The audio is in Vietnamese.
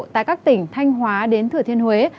tại các tỉnh thanh hóa đến thửa thiên huế